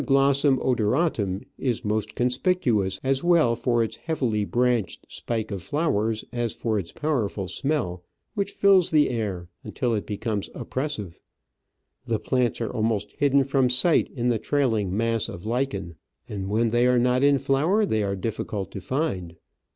Odontoglossum odoratum is most conspicuous as well for its heavy branched spike of flowers as for its powerful smell, which fills the air until it becomes oppressive. The plants are almost hidden from sight in the trailing mass of lichen, and when they are not in flower they are difficult to find.